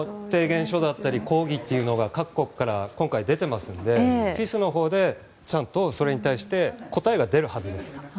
提言書だったり抗議というのが各国から今回出ていますのでＦＩＳのほうでちゃんとそれに対して答えが出るはずです。